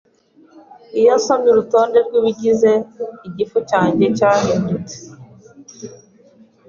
Iyo nsomye urutonde rwibigize, igifu cyanjye cyahindutse.